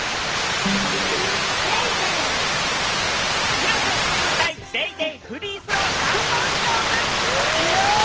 広瀬すず対ＤａｙＤａｙ．フリースロー３本勝負！